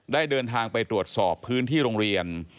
ได้เดินทางไปตรวจสอบพื้นที่โรงเรียน